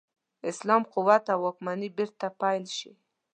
اسلام قوت او واکمني بیرته پیل شي.